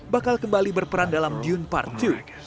bakal kembali berperan dalam dune part dua